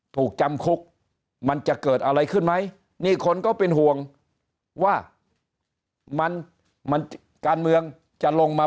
ถูกจำคุกมันจะเกิดอะไรขึ้นไหมนี่คนก็เป็นห่วงว่ามันมันการเมืองจะลงมา